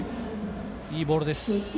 いいボールです。